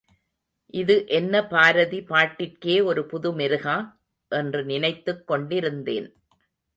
இது என்ன பாரதி பாட்டிற்கே ஒரு புது மெருகா? என்று நினைத்துக் கொண்டிருந்தேன்.